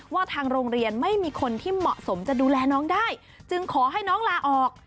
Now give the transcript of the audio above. ว่าทางโรงเรียนไม่มีคนที่เหมาะสมจะดูแลน้องได้จึงขอให้น้องลาออก